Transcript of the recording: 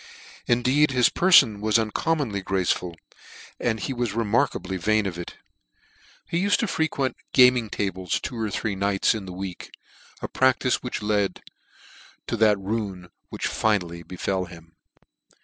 In deed his perfon was uncommonly graceful, and he was remarkably vain of it. He ufed to fre N n 2 quent NEW NEWGATE CALENDAR. quent gaming tables two or three nights in a week, a practice which led to that ruin which finally befel him.